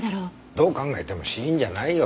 どう考えても死因じゃないよ。